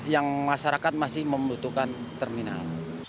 yang masyarakat masih membutuhkan terminal